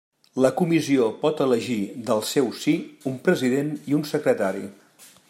La Comissió pot elegir, del seu sí, un president i un secretari.